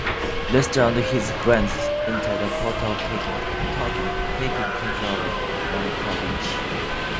Lester and his friends enter the portal, taking control of Malkovich.